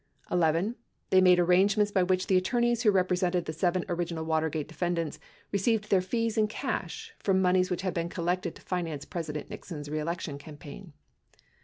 11. They made arrangements by which the attorneys who repre sented the seven original Watergate defendants received their fees in cash from moneys which had been collected to finance President Nixon's reelection campaign.